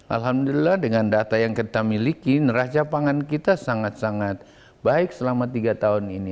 alhamdulillah dengan data yang kita miliki neraca pangan kita sangat sangat baik selama tiga tahun ini